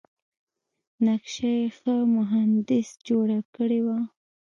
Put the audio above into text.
نقشه یې ښه مهندس جوړه کړې وه.